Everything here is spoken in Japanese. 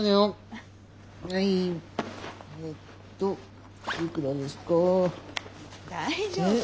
あ大丈夫。